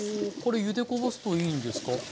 これゆでこぼすといいんですか？